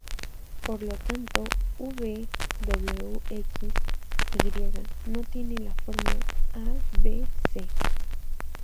Por lo tanto, "uv""wx""y" no tiene la forma "a""b""c".